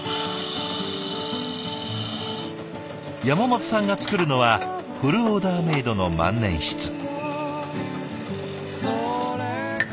山本さんが作るのはフルオーダーメイドの万年筆。